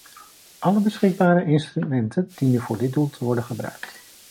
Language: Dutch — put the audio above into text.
Alle beschikbare instrumenten dienen voor dit doel te worden gebruikt.